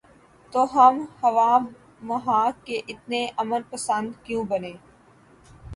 تو ہم خواہ مخواہ کے اتنے امن پسند کیوں بنیں؟